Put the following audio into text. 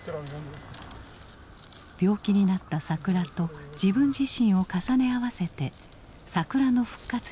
病気になった桜と自分自身を重ね合わせて桜の復活に取り組んだ。